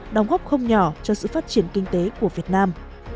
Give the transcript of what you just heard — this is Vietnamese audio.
đóng góp không nhỏ cho sự phát triển kinh tế của việt nam